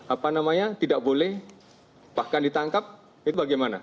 apa namanya tidak boleh bahkan ditangkap itu bagaimana